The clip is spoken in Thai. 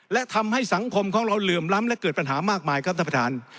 และทำให้สังคมของเราเหลื่อมล้ำและเกิดปัญหามากมายครับท่านประธาน